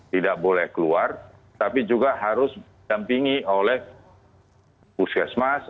tidak boleh keluar tapi juga harus didampingi oleh puskesmas